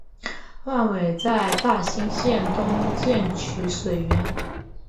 万炜在大兴县东建曲水园。